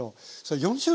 ４種類。